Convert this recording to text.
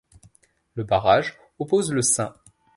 Le barrage oppose le St.